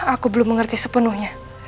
aku belum mengerti sepenuhnya